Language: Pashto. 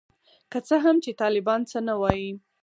که څه هم چي طالبان څه نه وايي.